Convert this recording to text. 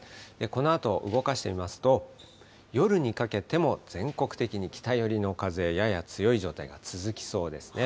このあと動かしてみますと、夜にかけても全国的に北寄りの風、やや強い状態が続きそうですね。